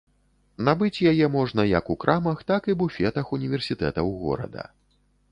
Набыць яе можна як у крамах, так і буфетах універсітэтаў горада.